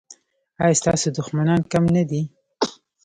ایا ستاسو دښمنان کم نه دي؟